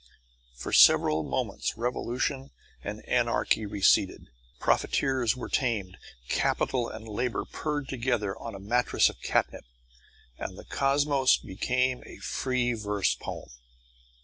For several moments revolution and anarchy receded, profiteers were tamed, capital and labour purred together on a mattress of catnip, and the cosmos became a free verse poem.